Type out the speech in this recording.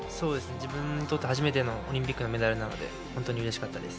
自分にとって初めてのオリンピックのメダルなので本当にうれしかったです。